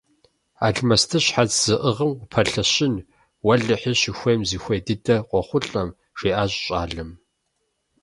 Алмэсты щхьэц зыӀыгъым упэлъэщын, – уэлэхьи, щыхуейм зыхуей дыдэр къохъулӀэм, – жиӀащ щӀалэм.